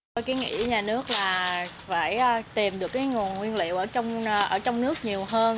tôi nghĩ nhà nước phải tìm được nguồn nguyên liệu ở trong nước nhiều hơn